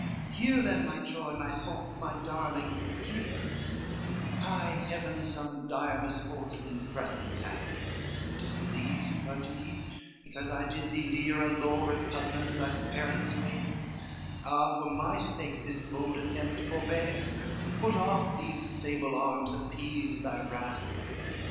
XL "Hear then my joy, my hope, my darling, hear, High Heaven some dire misfortune threatened hath, Displeased pardie, because I did thee lere A lore repugnant to thy parents' faith; Ah, for my sake, this bold attempt forbear; Put off these sable arms, appease thy wrath."